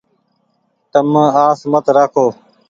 تم آس مت رآکو ۔